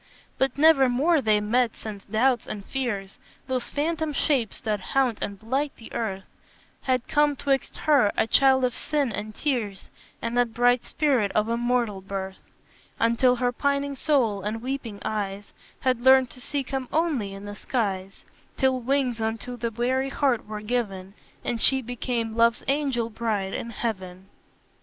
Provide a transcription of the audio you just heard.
"But nevermore they met since doubts and fears, Those phantom shapes that haunt and blight the earth, Had come 'twixt her, a child of sin and tears, And that bright spirit of immortal birth; Until her pining soul and weeping eyes Had learned to seek him only in the skies; Till wings unto the weary heart were given, And she became Love's angel bride in heaven!"